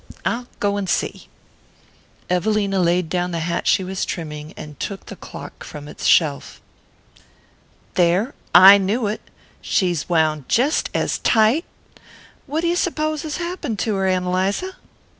I'll go and see." Evelina laid down the hat she was trimming, and took the clock from its shelf. "There I knew it! She's wound jest as TIGHT what you suppose's happened to her, Ann Eliza?"